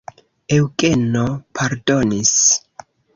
Eŭgeno pardonis.